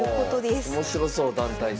面白そう団体戦。